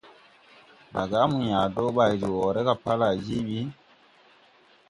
Daga à mo yãã dɔɔ bay de woʼré ga pa lay je ɓi.